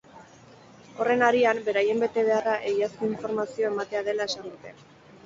Horren harian, beraien betebeharra egiazko informazio ematea dela esan dute.